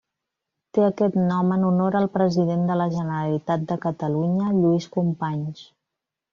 Té aquest nom en honor al president de la Generalitat de Catalunya Lluís Companys.